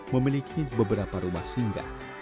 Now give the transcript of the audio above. memiliki beberapa rumah singgah